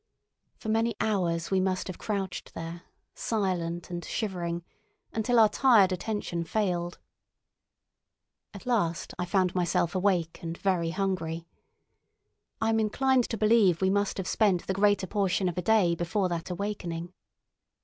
For many hours we must have crouched there, silent and shivering, until our tired attention failed. ... At last I found myself awake and very hungry. I am inclined to believe we must have spent the greater portion of a day before that awakening.